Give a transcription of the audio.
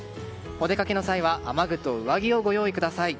お出かけの際は雨具と上着をご用意ください。